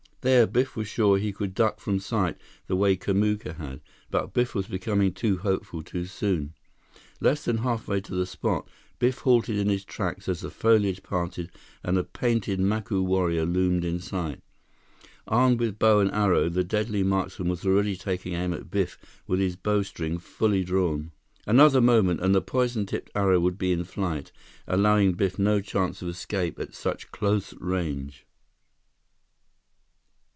There, Biff was sure that he could duck from sight the way Kamuka had. But Biff was becoming too hopeful too soon. Less than halfway to the spot, Biff halted in his tracks as the foliage parted and a painted Macu warrior loomed in sight. Armed with bow and arrow, the deadly marksman was already taking aim at Biff with his bowstring fully drawn. Another moment, and the poison tipped arrow would be in flight, allowing Biff no chance of escape at such close range!